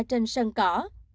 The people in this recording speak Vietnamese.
trên sân cỏ